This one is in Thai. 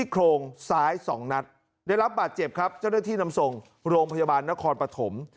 ก็ได้ที่นำส่งโรงพยาบาลนครปฐม